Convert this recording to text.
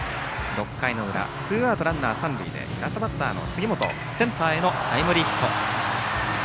６回の裏ツーアウトランナー、三塁でラストバッターの杉本がセンターへのタイムリーヒット。